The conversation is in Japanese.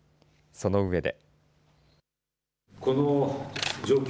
その上で。